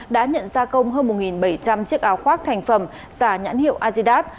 đã nhận gia công hơn một bảy trăm linh chiếc áo khoác thành phẩm giả nhãn hiệu azidat